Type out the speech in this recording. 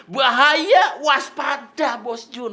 buahaya waspada bos jun